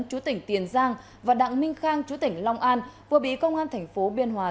chú tỉnh tiền giang và đặng minh khang chú tỉnh long an vừa bị công an thành phố biên hòa